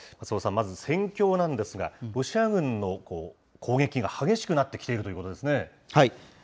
松尾さん、まず戦況なんですが、ロシア軍の攻撃が激しくなってきているということですね。